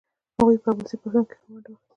هغوی په عباسي پاڅون کې ښه ونډه واخیسته.